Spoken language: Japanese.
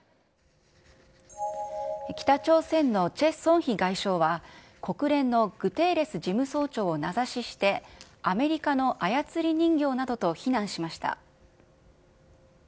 北朝鮮のチェ・ソンヒ外相は、国連のグテーレス事務総長を名指しして、アメリカの操り人形などと非難しました。